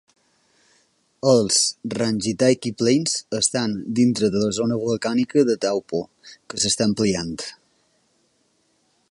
Els Rangitaiki Plains estan dintre de la zona volcànica de Taupo, que s'està ampliant.